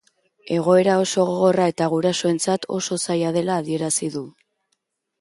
Egoera oso gogorra eta gurasoentzat oso zaila dela adierazi du.